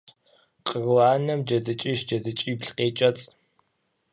Къру анэм джэдыкӏищ-джэдыкӏибл къекӏэцӏ.